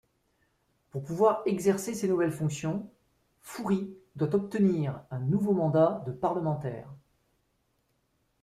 Pour pouvoir exercer ses nouvelles fonctions, Fourie doit obtenir un nouveau mandat de parlementaire.